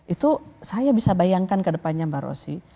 itu saya bisa bayangkan ke depannya mbak rosy